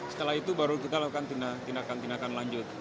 setelah itu baru kita lakukan tindakan tindakan lanjut